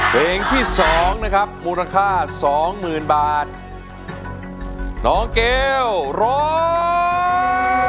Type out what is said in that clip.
เพลงที่๒นะครับมูลค่า๒๐๐๐๐บาทน้องเกลร้อง